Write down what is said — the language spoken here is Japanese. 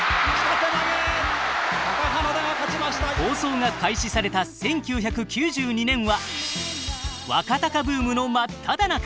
放送が開始された１９９２年は若貴ブームの真っただ中。